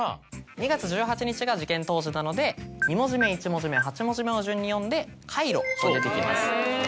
２月１８日が事件当時なので２文字目１文字目８文字目の順に読んで「かいろ」と出てきます。